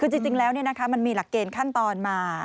คือจริงแล้วมันมีหลักเกณฑ์ขั้นตอนมา